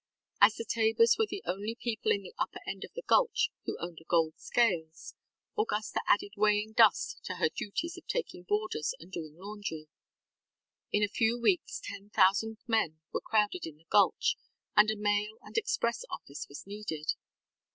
As the Tabors were the only people in the upper end of the gulch who owned a gold scales, Augusta added weighing dust to her duties of taking boarders and doing laundry. In a few weeks ten thousand men were crowded in the gulch, and a mail and express office was needed.